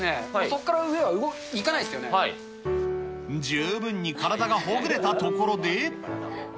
そこから十分に体がほぐれたところで。